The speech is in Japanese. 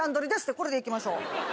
これでいきましょう。